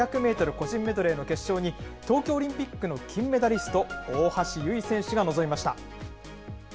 個人メドレーの決勝に、東京オリンピックの金メダリスト、大橋悠依選手が臨みました。